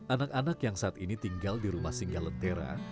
anak anak yang saat ini tinggal di rumah singgalentera